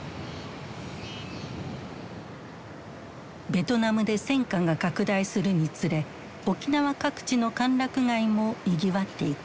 ベトナムで戦火が拡大するにつれ沖縄各地の歓楽街もにぎわっていく。